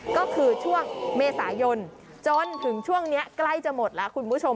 ก็คือช่วงเมษายนจนถึงช่วงนี้ใกล้จะหมดแล้วคุณผู้ชม